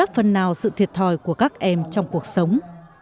phần nào sự thiệt thòi của các em trong cuộc sống